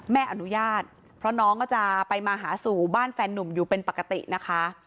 แม่อนุญาตเพราะน้องก็จะไปมาหาสู่บ้านแฟนนุ่มอยู่เป็นปกตินะคะ